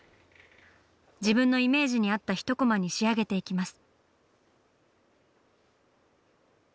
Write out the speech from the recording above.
自分のイメージに合った一コマに仕上げていきます。